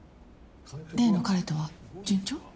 例の彼とは順調？